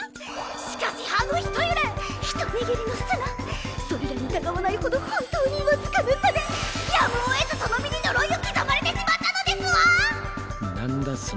しかし葉のひと揺れひと握りの砂それらに違わないほど本当に僅かな差でやむをえずその身に呪いを刻まれてしまったのですわ！